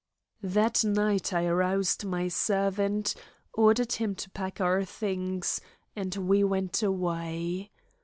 That night I aroused my servant, ordered him to pack our things, and we went away.